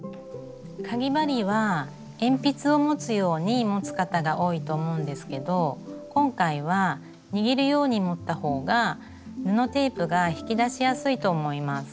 かぎ針は鉛筆を持つように持つ方が多いと思うんですけど今回は握るように持った方が布テープが引き出しやすいと思います。